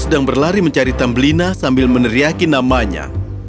sedang berlari mencari tambelina sambil meneriaki namanya